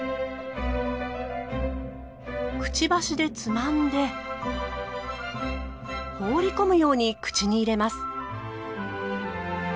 くちばしでつまんで放り込むように口に入れます。